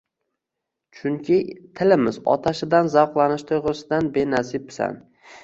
. Chunki tilimiz otashidan zavqlanish tuygʻusidan benasibsan.